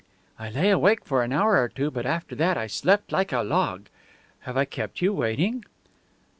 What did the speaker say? I lay awake for an hour or two, but after that I slept like a log. Have I kept you waiting?"